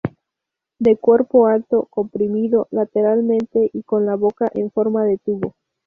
De cuerpo alto, comprimido lateralmente, y con la boca en forma de tubo.